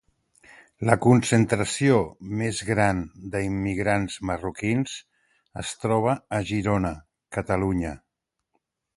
La concentració més gran de immigrants marroquins es troba a Girona, Catalunya.